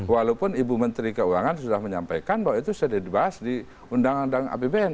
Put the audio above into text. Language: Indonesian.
walaupun ibu menteri keuangan sudah menyampaikan bahwa itu sudah dibahas di undang undang apbn